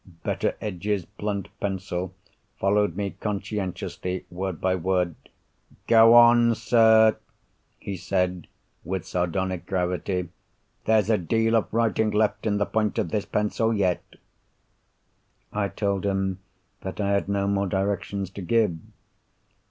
Betteredge's blunt pencil followed me conscientiously, word by word. "Go on, sir," he said, with sardonic gravity. "There's a deal of writing left in the point of this pencil yet." I told him that I had no more directions to give.